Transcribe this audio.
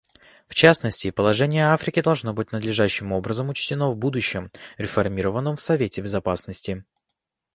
В частности, положение Африки должно быть надлежащим образом учтено в будущем реформированном Совете Безопасности.